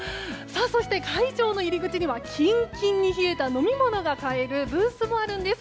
そして、会場の入り口にはキンキンに冷えた飲み物が買えるブースもあるんです。